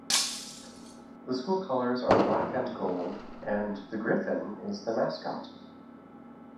The school colours are black and gold and the griffin is the mascot.